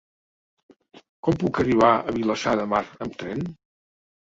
Com puc arribar a Vilassar de Mar amb tren?